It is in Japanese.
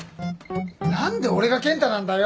何で俺がケン太なんだよ！